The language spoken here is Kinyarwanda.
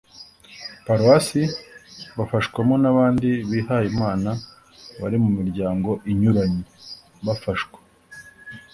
paruwasi bafashwamo n’abandi bihaye imana bari mu miryango inyuranye. bafashwa